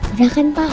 udah kan pak